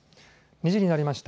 ２時になりました。